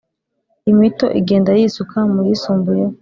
imito igenda yisuka muyisumbuyeho